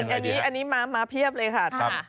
อันนี้มาเพียบเลยค่ะ